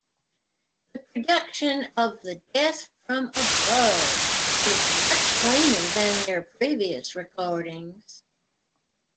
The Production of the "Death from Above" is much cleaner than their previous recordings.